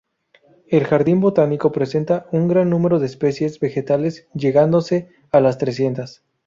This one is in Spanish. El jardín botánico presenta un gran número de especies vegetales llegándose a las trescientas.